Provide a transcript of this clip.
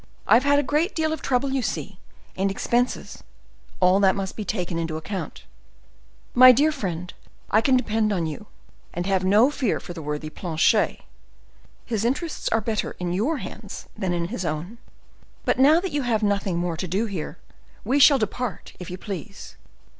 I have had a great deal of trouble, you see, and expenses; all that must be taken into account." "My dear friend, I can depend on you, and have no fear for the worthy Planchet; his interests are better in your hands than in his own. But now that you have nothing more to do here, we shall depart, if you please.